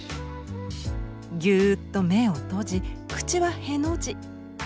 ギューッと目を閉じ口はへの字。